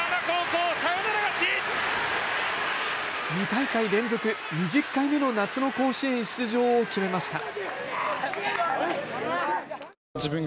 ２大会連続、２０回目の夏の甲子園出場を決めました。